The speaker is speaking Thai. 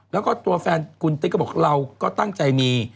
แล้วก็ตัวแฟนคุณติ๊กก็บอกเราก็ตั้งใจมี